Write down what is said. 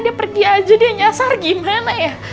dia pergi aja dia nyasar gimana ya